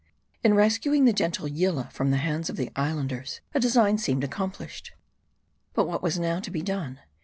IN rescuing the gentle Yillah from the hands of the Islanders, a design seemed accomplished. But what was now to be done